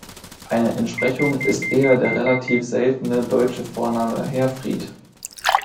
Eine Entsprechung ist eher der relativ seltene deutsche Vorname Herfried.